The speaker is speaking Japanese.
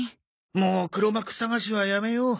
もう黒幕探しはやめよう。